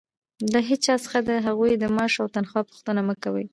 له هېچا څخه د هغوى د معاش او تنخوا پوښتنه مه کوئ!